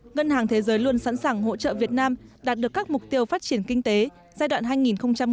ngân hàng thế giới luôn sẵn sàng hỗ trợ việt nam đạt được các mục tiêu phát triển kinh tế giai đoạn hai nghìn hai mươi một hai nghìn hai mươi năm